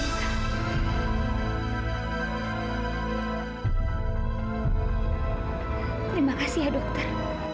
terima kasih ya dokter